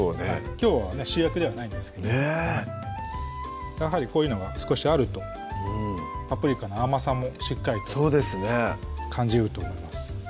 きょうは主役ではないんですけどねっやはりこういうのが少しあるとパプリカの甘さもしっかりと感じると思います